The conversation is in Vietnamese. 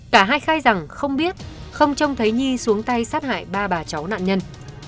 cả hai khai rằng không biết không trông thấy nhi xuống tay sát hại ba bà cháu nạn nhân